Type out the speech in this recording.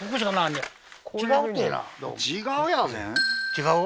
違う？